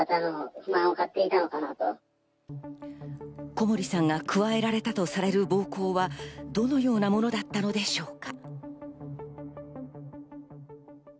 小森さんが加えられたとされる暴行はどのようなものだったのでしょうか。